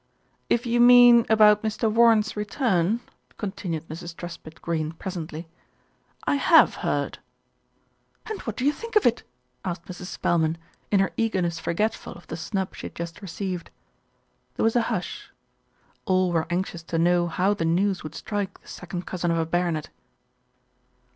"If you mean about Mr. Warren's return," con tinued Mrs. Truspitt Greene presently, "I have heard." "And what do you think of it?" asked Mrs. Spel man, in her eagerness forgetful of the snub she had just received. There was a hush. All were anxious to know how the news would strike the second cousin of a baronet.